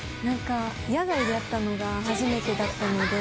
野外でやったのが初めてだったので。